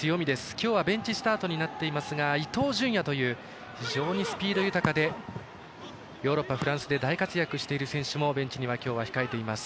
今日はベンチスタートになっていますが伊東純也という非常にスピード豊かでヨーロッパ、フランスで大活躍している選手もベンチには控えています。